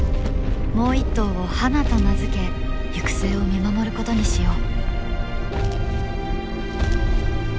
もう一頭をハナと名付け行く末を見守ることにしよう。